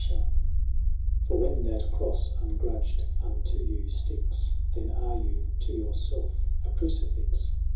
30 For when that Crofle ungrudg'd, unto you ftickes, Then are you to your felfe, a Crucifixe.